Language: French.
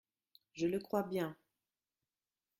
Je le crois bien.